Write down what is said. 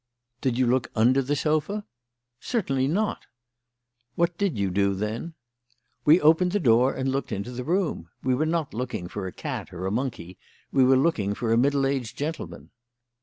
"Did you look under the sofa?" "Certainly not!" "What did you do, then?" "We opened the door and looked into the room. We were not looking for a cat or a monkey; we were looking for a middle aged gentleman."